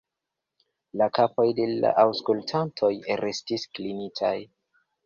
La kapoj de la aŭskultantoj restis klinitaj.